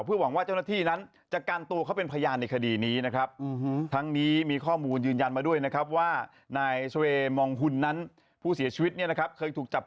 หวังว่าเจ้าหน้าที่นั้นจะกันตัวเขาเป็นพยานในคดีนี้นะครับ